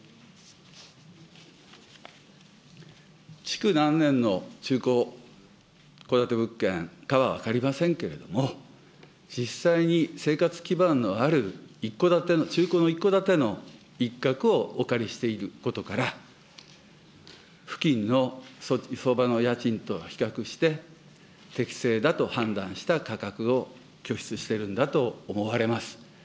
築何年の中古戸建物件かは分かりませんけれども、実際に生活基盤のある一戸建ての、中古の一戸建ての一角をお借りしていることから、付近の相場の家賃と比較して、適正だと判断した価格を拠出してるんだと思われます。